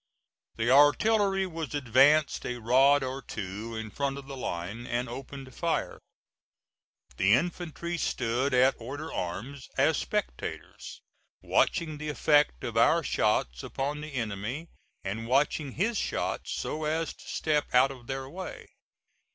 The artillery was advanced a rod or two in front of the line, and opened fire. The infantry stood at order arms as spectators, watching the effect of our shots upon the enemy, and watching his shots so as to step out of their way.